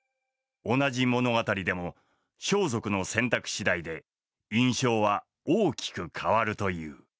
同じ物語でも装束の選択次第で印象は大きく変わるという。